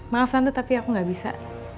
maaf tante tapi aku enggak bisa